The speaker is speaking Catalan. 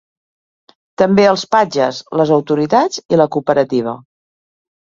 També els patges, les autoritats i la cooperativa.